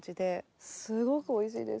すごくおいしいです。